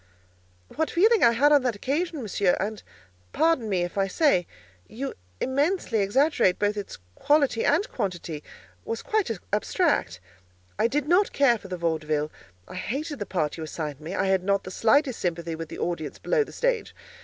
"What feeling I had on that occasion, Monsieur—and pardon me, if I say, you immensely exaggerate both its quality and quantity—was quite abstract. I did not care for the vaudeville. I hated the part you assigned me. I had not the slightest sympathy with the audience below the stage.